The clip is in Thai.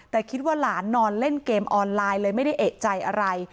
แต่คิดว่าหลานนอนเล่นเกมออนไลน์เลยไม่ได้เอกใจอะไร